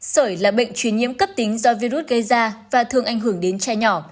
sởi là bệnh truyền nhiễm cấp tính do virus gây ra và thường ảnh hưởng đến trẻ nhỏ